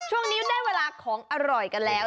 ช่วงนี้ได้เวลาของอร่อยกันแล้ว